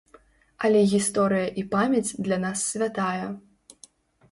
Але гісторыя і памяць для нас святая.